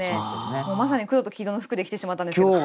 もうまさに黒と黄色の服で来てしまったんですけど。